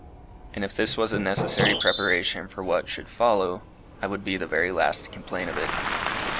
And if this was a necessary preparation for what, should follow, I would be the very last to complain of it.